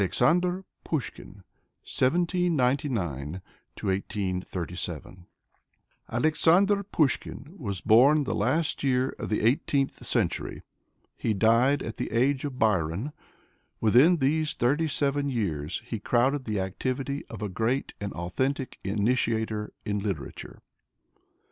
MODERN RUSSIAN POETRY An Anthology Alexander Pushkin (1799 1837) Alexander Pushkin was born the last year of the eighteenth century. He died at the age of Byron. Within these thirty seven years he crowded the activity of a great and authentic initiator in literature.